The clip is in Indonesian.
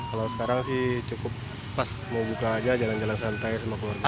kalau sekarang sih cukup pas mau buka aja jalan jalan santai sama keluarga